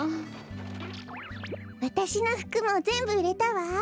わたしのふくもぜんぶうれたわ。